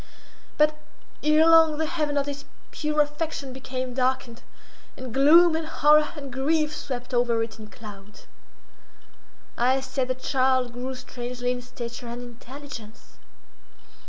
But, ere long the heaven of this pure affection became darkened, and gloom, and horror, and grief swept over it in clouds. I said the child grew strangely in stature and intelligence.